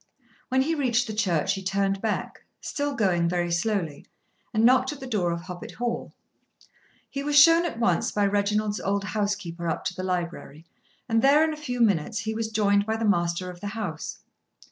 When he reached the church he turned back, still going very slowly, and knocked at the door of Hoppet Hall. He was shown at once by Reginald's old housekeeper up to the library, and there in a few minutes he was joined by the master of the house.